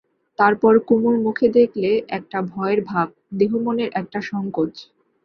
তার পর কুমুর মুখে দেখলে একটা ভয়ের ভাব, দেহমনের একটা সংকোচ।